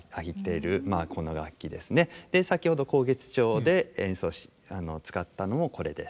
先ほど「慷月調」で演奏に使ったのもこれです。